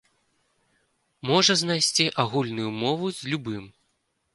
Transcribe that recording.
Можа знайсці агульную мову з любым.